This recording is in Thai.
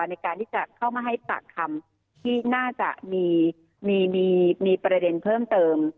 ในการที่จะเข้ามาให้ปากคำที่น่าจะมีประเด็นเพิ่มเติม